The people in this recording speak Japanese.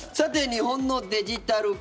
日本のデジタル化